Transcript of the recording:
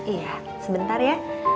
iya sebentar ya